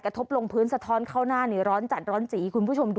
ทบลงพื้นสะท้อนเข้าหน้านี่ร้อนจัดร้อนจีคุณผู้ชมดู